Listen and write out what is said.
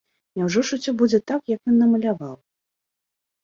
Няўжо ж усё будзе так, як ён намаляваў?